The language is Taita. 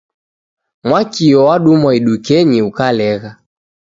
Mwakio wadumwa idukenyii ukalegha